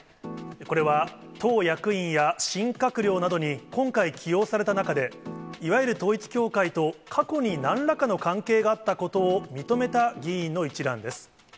これは、党役員や新閣僚などに今回、起用された中で、いわゆる統一教会と、過去になんらかの関係があったことを認めた議員の一覧です。